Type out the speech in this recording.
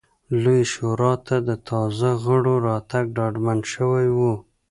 لویې شورا ته د تازه غړو راتګ ډاډمن شوی و.